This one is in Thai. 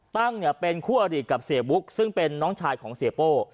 ตั้งเนี่ยเป็นคู่อดีตกับเสียบุ๊กซึ่งเป็นน้องชายของเสียโป้